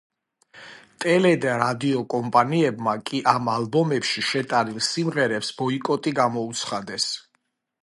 ტელე და რადიო კომპანიებმა კი ამ ალბომებში შეტანილ სიმღერებს ბოიკოტი გამოუცხადეს.